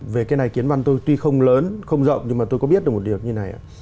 về cái này kiến văn tôi tuy không lớn không rộng nhưng mà tôi có biết được một điều như này ạ